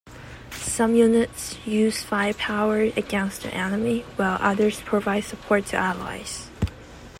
Some units use firepower against the enemy, while others provide support to allies.